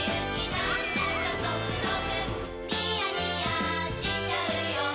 なんだかゾクゾクニヤニヤしちゃうよ